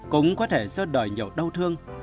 cũng có thể do đời nhiều đau thương